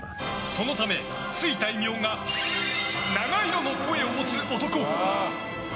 そのため、ついた異名が七色の声を持つ男。